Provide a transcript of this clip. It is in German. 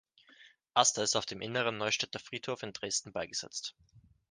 Aster ist auf dem Inneren Neustädter Friedhof in Dresden beigesetzt.